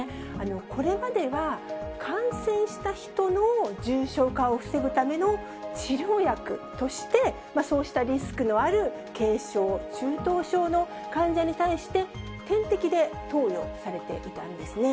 これまでは、感染した人の重症化を防ぐための治療薬として、そうしたリスクのある軽症、中等症の患者に対して、点滴で投与されていたんですね。